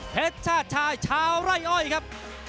ชาติชายชาวไร่อ้อยครับ